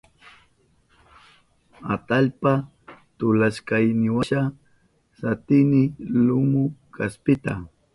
Allpata tulashkayniwasha satini lumu kaspita.